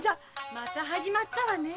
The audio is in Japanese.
また始まったわね。